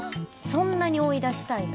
そんなに追い出したいの？